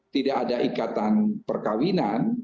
tidak ada ikatan perkawinan